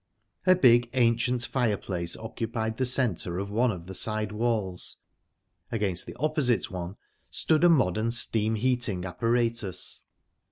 A big, ancient fireplace occupied the centre of one of the side walls; against the opposite one stood a modern steam heating apparatus.